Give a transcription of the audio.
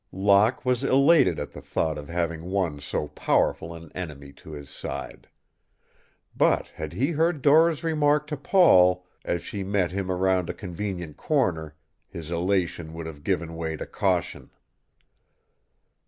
Locke was elated at the thought of having won so powerful an enemy to his side. But, had he heard Dora's remark to Paul as she met him around a convenient corner, his elation would have given way to caution.